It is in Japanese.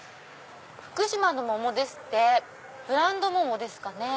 福島の桃ですってブランド桃ですかね。